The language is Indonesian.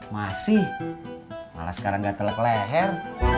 masih malah sekarang gatel ke leher